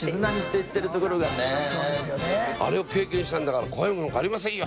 あれを経験したんだから怖いものなんかありませんよ。